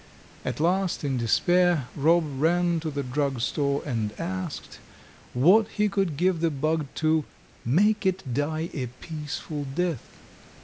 At last, in despair, Rob ran to the drug store and asked what he could give the bug to "make it die a peaceful death."